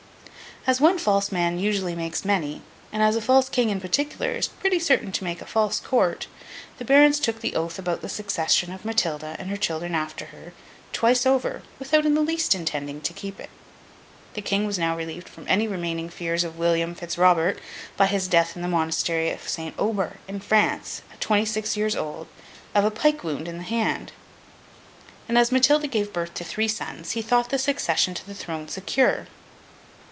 As one false man usually makes many, and as a false King, in particular, is pretty certain to make a false Court, the Barons took the oath about the succession of Matilda (and her children after her), twice over, without in the least intending to keep it. The King was now relieved from any remaining fears of William Fitz Robert, by his death in the Monastery of St. Omer, in France, at twenty six years old, of a pike wound in the hand. And as Matilda gave birth to three sons, he thought the succession to the throne secure.